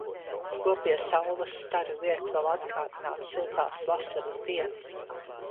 Skopie saules stari liek vēl atgādināt siltās vasaras dienas.